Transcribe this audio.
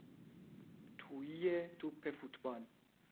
تویی توپ فوتبال